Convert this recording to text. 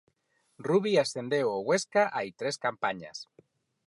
Rubi ascendeu o Huesca hai tres campañas.